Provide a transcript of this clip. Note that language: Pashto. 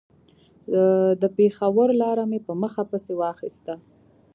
د پېښور لاره مې په مخه پسې واخيسته.